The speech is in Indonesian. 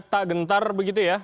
tak gentar begitu ya